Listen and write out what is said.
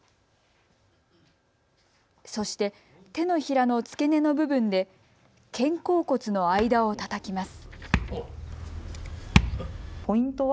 そして手のひらの付け根の部分で肩甲骨の間をたたきます。